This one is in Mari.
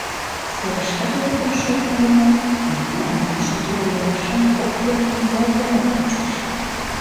Серышкат лектын шуын огынал, мемнам кужу тувыр-йолашан кок пӧръеҥ руалтенат кучыш.